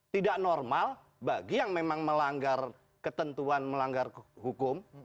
tidak normal bagi yang memang melanggar ketentuan melanggar hukum